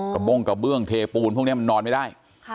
โบ้งกระเบื้องเทปูนพวกนี้มันนอนไม่ได้